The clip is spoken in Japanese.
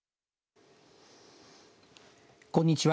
こんにちは。